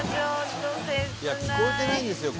聞こえてないんですよ